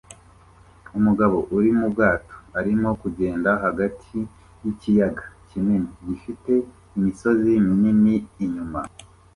Umugabo uri mu bwato arimo kugenda hagati yikiyaga kinini gifite imisozi minini inyuma